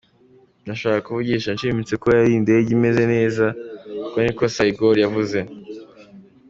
Nashaka kuvuga nshimitse ko yari indege imeze neza,” uko ni ko Saigol yavuze.